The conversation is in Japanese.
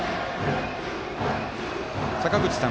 坂口さん